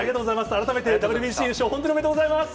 改めてＷＢＣ優勝、本当におめでとうございます。